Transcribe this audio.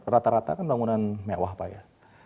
rata rata kan bangunan mewah pak ya